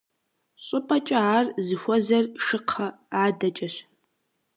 Щӏыпӏэкӏэ ар зыхуэзэр «Шыкхъэ» адэкӏэщ.